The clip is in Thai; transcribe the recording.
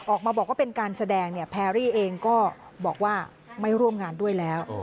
ออกมาบอกว่าเป็นการแสดงเนี่ยแพรรี่เองก็บอกว่าไม่ร่วมงานด้วยแล้ว